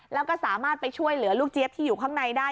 แล้วก็สามารถไปช่วยเหลือลูกเจี๊ยบที่อยู่ข้างในได้